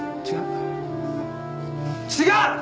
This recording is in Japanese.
違う。